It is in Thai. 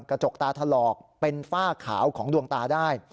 กระจกตาถลอกเป็นฝ้าขาวของดวงตาได้